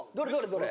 どれ？